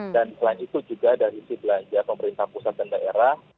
dan selain itu juga dari sisi belanja pemerintah pusat dan daerah